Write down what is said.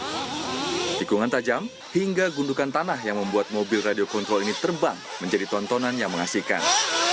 tikungan tajam hingga gundukan tanah yang membuat mobil radio kontrol ini terbang menjadi tontonan yang mengasihkan